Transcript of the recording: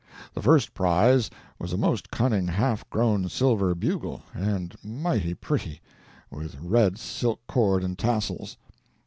The first prize was a most cunning half grown silver bugle, and mighty pretty, with red silk cord and tassels.